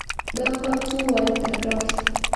دا کار څو وارې تکرار شو.